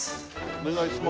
お願いします。